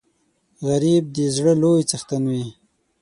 غریب د زړه لوی څښتن وي